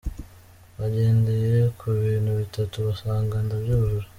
Bagendeye ku bintu bitatu basanga ndabyujuje.